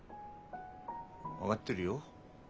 分がってるよ。